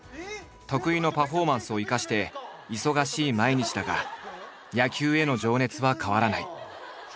得意のパフォーマンスを生かして忙しい毎日だが野球への情熱は変わらない。